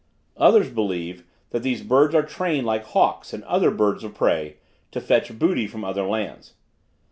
Others believe, that these birds are trained like hawks and other birds of prey, to fetch booty from other lands.